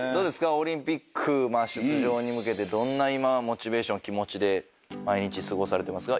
オリンピック出場に向けてどんな今モチベーション気持ちで毎日すごされてますか？